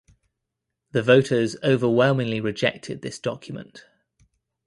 The voters overwhelmingly rejected this document.